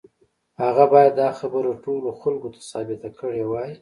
هغه بايد دا خبره ټولو خلکو ته ثابته کړې وای.